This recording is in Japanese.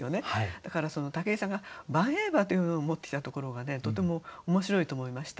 だから武井さんが「輓曳馬」というのを持ってきたところがとても面白いと思いました。